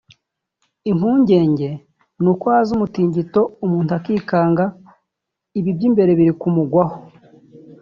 impungenge ni uko haza umutingito umuntu akikanga ibi by’imbere biri kumugwaho